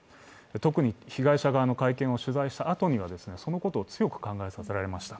特に被害者側の会見を取材したあとにはそのことを強く考えさせられました。